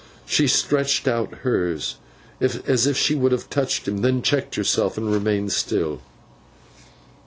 She stretched out hers, as if she would have touched him; then checked herself, and remained still.